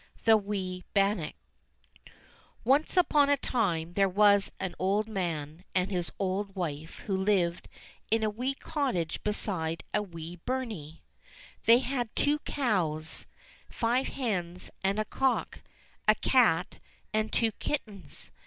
THE WEE BANNOCK ONCE upon a time there was an old man and his old wife who Hved in a wee cottage beside a wee burnie. They had two cows, five hens, and a cock, a cat and two kittens.